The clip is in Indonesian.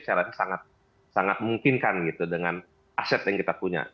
saya rasa sangat memungkinkan gitu dengan aset yang kita punya